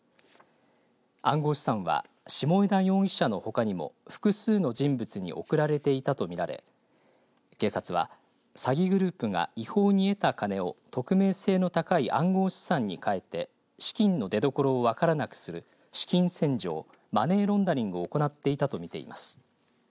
暗号資産は下枝容疑者のほかにも複数の人物に送られていたと見られ警察は詐欺グループが違法に得た金を匿名性の高い暗号資産に換えて資金の出どころを分からなくする資金洗浄マネーロンダリングを行っていたと見ています。